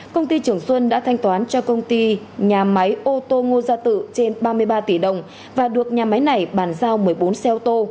công ty trường xuân đã thanh toán cho công ty nhà máy ô tô ngô gia tự trên ba mươi ba tỷ đồng và được nhà máy này bàn giao một mươi bốn xe ô tô